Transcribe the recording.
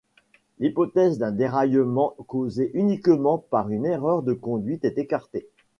L'hypothèse d'un déraillement causé uniquement par une erreur de conduite est écartée.